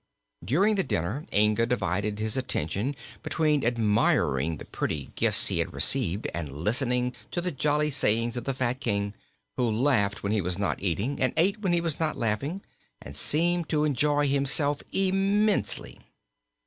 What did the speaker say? During the dinner Inga divided his attention between admiring the pretty gifts he had received and listening to the jolly sayings of the fat King, who laughed when he was not eating and ate when he was not laughing and seemed to enjoy himself immensely.